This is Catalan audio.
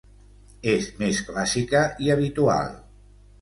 És més clàssica i habitual.